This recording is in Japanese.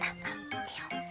いいよ。